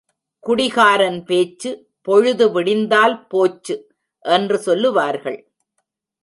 குடிகாரன் பேச்சு பொழுது விடிந்தால் போச்சு என்று சொல்லுவார்கள்.